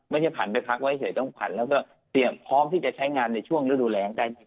ผ่านไปพักไว้เฉยต้องผันแล้วก็เตรียมพร้อมที่จะใช้งานในช่วงฤดูแรงได้ไหม